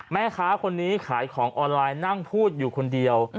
แม่ค้าคนนี้ขายของออนไลน์นั่งพูดอยู่คนเดียว